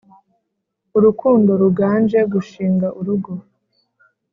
urukundo ruganje gushinga urugo